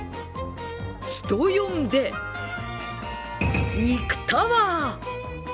人呼んで、肉タワー。